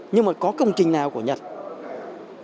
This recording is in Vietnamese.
nhưng mà có công trình nào của chúng ta